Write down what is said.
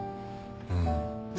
うん。